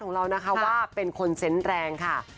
ของเรานะคะว่าเป็นคนเซ็นต์แรงค่ะ